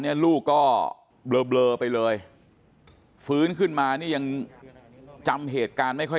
ลูกก็เบลอไปเลยฟื้นขึ้นมานี่ยังจำเหตุการณ์ไม่ค่อย